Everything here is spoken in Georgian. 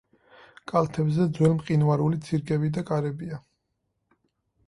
კალთებზე ძველმყინვარული ცირკები და კარებია.